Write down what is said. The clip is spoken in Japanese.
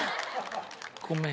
ごめん。